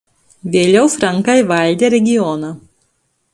Vėliau frankai valdė regioną.